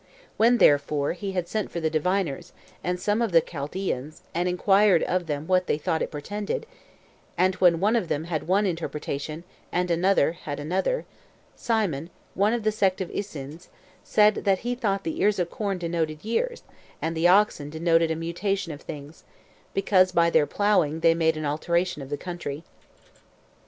When, therefore, he had sent for the diviners, and some of the Chaldeans, and inquired of them what they thought it portended; and when one of them had one interpretation, and another had another, Simon, one of the sect of Essens, said that he thought the ears of corn denoted years, and the oxen denoted a mutation of things, because by their ploughing they made an alteration of the country.